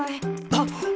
あっ！